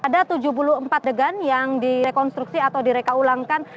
ada tujuh puluh empat degan yang direkonstruksi atau direkaulangkan